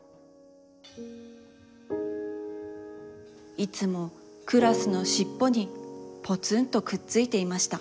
いつもクラスのしっぽにぽつんとくっついていました。